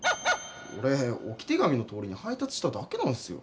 おれおき手紙のとおりにはいたつしただけなんすよ。